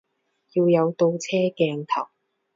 要有倒車鏡頭